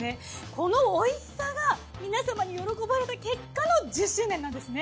この美味しさが皆様に喜ばれた結果の１０周年なんですね。